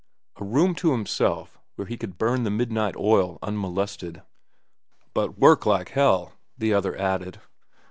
A room to himself where he could burn the midnight oil unmolested. "But work like hell," the other added.